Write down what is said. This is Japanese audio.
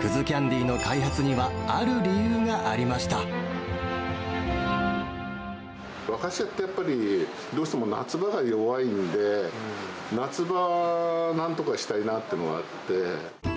葛きゃんでぃの開発には、ある理和菓子屋ってやっぱり、どうしても夏場が弱いんで、夏場、なんとかしたいなっていうのがあって。